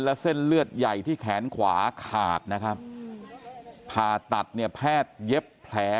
และเส้นเลือดใหญ่ที่แขนขวาขาดนะครับผ่าตัดเนี่ยแพทย์เย็บแผล